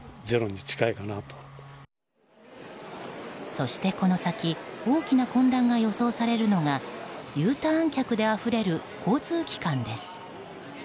そして、この先大きな混乱が予想されるのがＵターン客であふれる交通機関です。